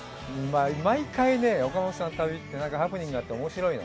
毎回ね、岡本さんの旅って、ハプニングがあって楽しいの。